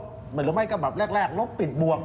เหมือนหรือไม่ก็แบบแรกลบปิดบวก